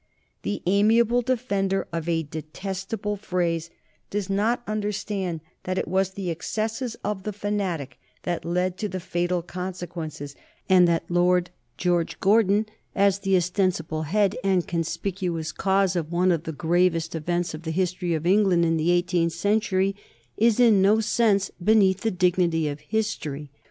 The amiable defender of a detestable phrase does not understand that it was the excesses of the fanatic that led to the fatal consequences, and that Lord George Gordon, as the ostensible head and conspicuous cause of one of the gravest events of the history of England in the eighteenth century, is in no sense beneath the "dignity of history."